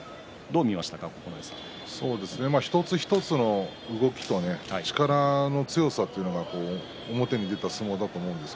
一つ一つの動きと力の強さというのが表に出た相撲だと思うんです。